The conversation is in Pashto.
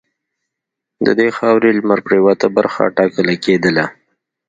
د دې خاورې لمرپرېواته برخه ټاکله کېدله.